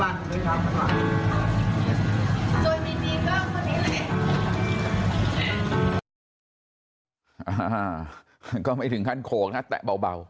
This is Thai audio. อ่าะก็ไม่ถึงทั้งโขเราก็แตะเบา